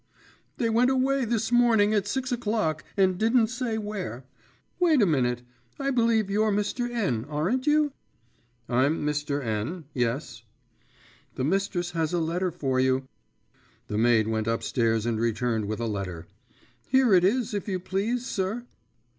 'They went away this morning at six o'clock, and didn't say where. Wait a minute, I believe you're Mr. N , aren't you?' 'I'm Mr. N , yes.' 'The mistress has a letter for you.' The maid went upstairs and returned with a letter. 'Here it is, if you please, sir.